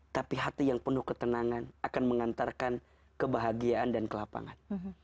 tapi hati yang penuh ketenangan akan mengantarkan kebahagiaan dan kelapangan